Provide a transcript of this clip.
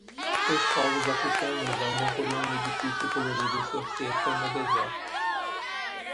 Os povos africanos andam por um edifício colorido cerceta no deserto.